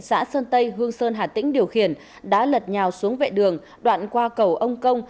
xã sơn tây hương sơn hà tĩnh điều khiển đã lật nhào xuống vệ đường đoạn qua cầu ông công